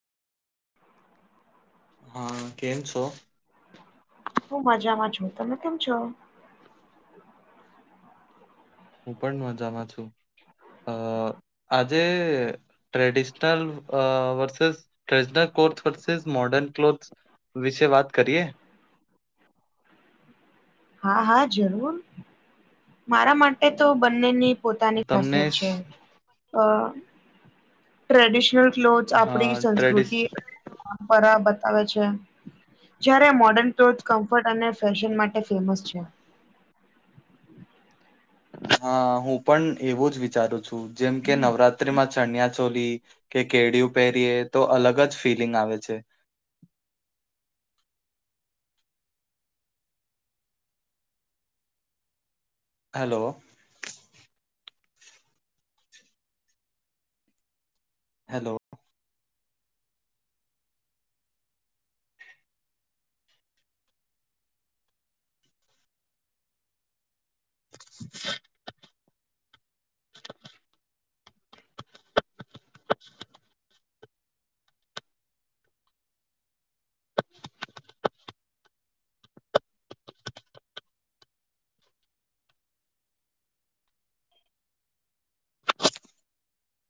હા કેમ છો હું મજામાં છું તમે કેમ છો હું પણ મજામાં છું અ આજે ટ્રેડિશનલ વર્ ટ્રેડિશનલલોથ વર્સેસ મોડન ક્લોથસ વિશે વાત કરીએ હા હા જરૂર મારા માટે તો બંનેની પોતાની તમને ખાસિયત છે શ- અ ટ્રેડિશનલ ક્લોથસ હા આપણી ટ્રેડિશ સંસ્કૃતિ પરંપરા બતાવે છે જયારે મોડર્ન ક્લોથ કમ્ફર્ટ અને ફેશન માટે ફેમસ છે હા હું પણ એવું જ વિચારું છું જેમ કે નવરાત્રીમાં ચણ્યા લી કે કેડીિય પહેરીએ તો અલગ જ ફિલિંગ આવે છે હલો હેલો [inaudible]